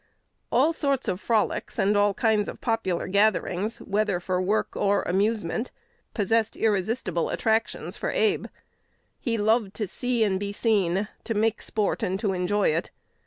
All sorts of frolics and all kinds of popular gatherings, whether for work or amusement, possessed irresistible attractions for Abe. He loved to see and be seen, to make sport and to enjoy it.